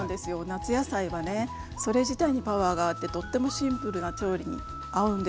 夏野菜はねそれ自体にパワーがあってとってもシンプルな調理に合うんですよ。